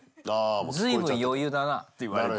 「随分余裕だな」って言われて。